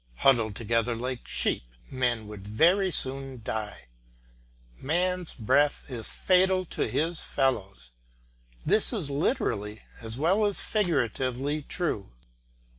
Huddled together like sheep, men would very soon die. Man's breath is fatal to his fellows. This is literally as well as figuratively true.